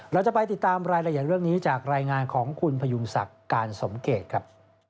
เราจะไปติดตามรายละเอียดเรื่องนี้จากรายงานของคุณพยุงศักดิ์การสมเกตครับ